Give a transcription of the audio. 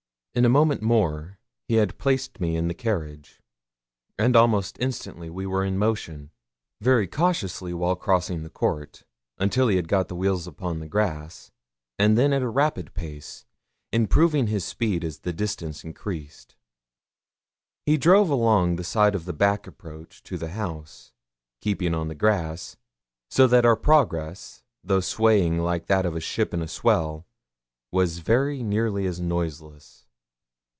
In a moment more he had placed me in the carriage, and almost instantly we were in motion very cautiously while crossing the court, until he had got the wheels upon the grass, and then at a rapid pace, improving his speed as the distance increased. He drove along the side of the back approach to the house, keeping on the grass; so that our progress, though swaying like that of a ship in a swell, was very nearly as noiseless.